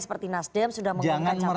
seperti nasdem sudah mengangkat capasnya